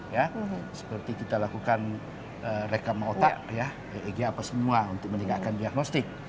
ya seperti kita lakukan rekama otak ya eg apa semua untuk meninggalkan diagnostik